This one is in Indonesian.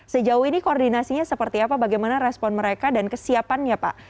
sejauh ini koordinasinya seperti apa bagaimana respon mereka dan kesiapannya pak